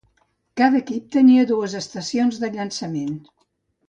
Cada equip tenia dues estacions de llançament.